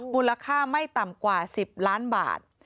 มูลค่าไม่ต่ำกว่า๑๐ล้านบาท